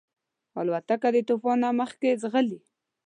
الوتکه د طوفان نه مخکې ځغلي.